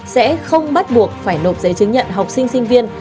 sẽ không bắt buộc phải nộp giấy chứng nhận học sinh sinh viên